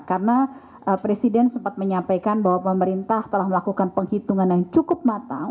karena presiden sempat menyampaikan bahwa pemerintah telah melakukan penghitungan yang cukup matang